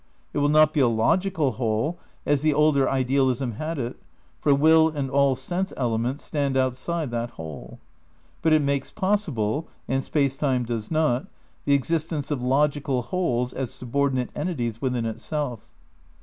It will not be a logical Whole, as the older idealism had it; for will and all sense elements stand outside that Whole. But it makes possible (and Space Time does not) the exist ence of logical wholes as subordinate entities within itself.